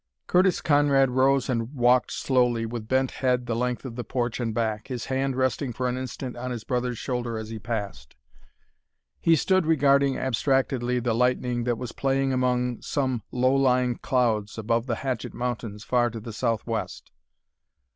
Curtis Conrad rose and walked slowly and with bent head the length of the porch and back, his hand resting for an instant on his brother's shoulder as he passed. He stood regarding abstractedly the lightning that was playing among some low lying clouds above the Hatchet Mountains, far to the southwest.